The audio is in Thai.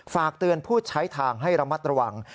ฝากเตือนผู้ใช้ทางให้ระมัดระวัง